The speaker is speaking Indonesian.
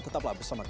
tetaplah bersama kami